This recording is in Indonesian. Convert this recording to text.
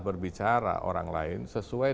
berbicara orang lain sesuai